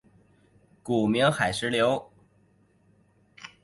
古名海石榴。